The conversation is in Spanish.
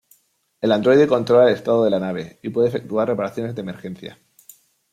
El androide controla el estado de la nave y puede efectuar reparaciones de emergencia.